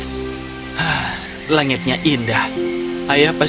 tidak ada yang bisa mengisi kesepian di dalam dirinya